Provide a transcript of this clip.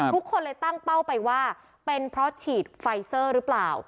ทุกคนเลยตั้งเป้าไปว่าเป็นเพราะฉีดไฟเซอร์หรือเปล่า